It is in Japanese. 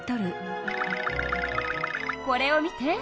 これを見て。